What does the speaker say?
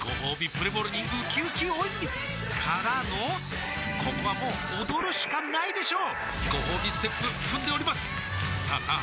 プレモルにうきうき大泉からのここはもう踊るしかないでしょうごほうびステップ踏んでおりますさあさあ